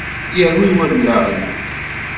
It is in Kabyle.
Yerwi wallaɣ-iw!